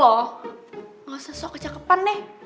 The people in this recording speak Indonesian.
loh nggak sesuai kecakepan deh